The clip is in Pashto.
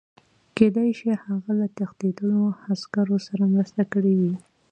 کېدای شي هغه له تښتېدلو عسکرو سره مرسته کړې وي